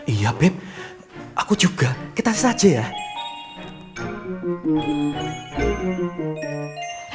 iya beb aku juga kita tes aja ya